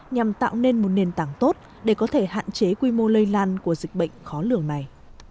nhằm tạo nên một nền tảng tốt để có thể hạn chế quy mô lây lan của dịch bệnh khó lường này